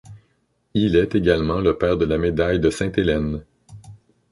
Il est également le père de la médaille de Sainte-Hélène.